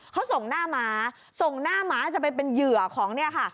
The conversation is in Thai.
เขาส่งหน้าม้าส่งหน้าม้าจะไปเป็นเหยื่อของเนี่ยค่ะ